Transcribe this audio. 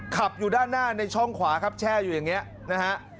ขับอยู่ด้านหน้าในช่องขวาครับแช่อยู่อย่างนี้นะฮะ